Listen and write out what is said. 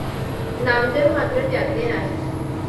नामदेव मात्र त्यातले नाहीत.